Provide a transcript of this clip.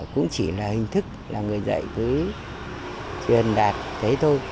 cũng chỉ là hình thức là người dạy cứ truyền đạt thế thôi